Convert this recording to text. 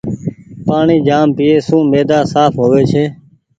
پآڻيٚ جآم پيئي سون ميدآ سآڦ هووي ڇي۔